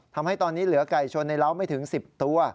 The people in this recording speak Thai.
ทำให้ตอนนี้เหลือไก่ชนในร้าวไม่ถึง๑๐ตัว